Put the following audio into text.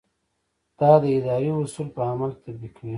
دا د ادارې اصول په عمل کې تطبیقوي.